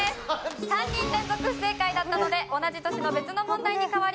３人連続不正解だったので同じ年の別の問題に変わります。